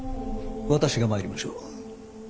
私が参りましょう。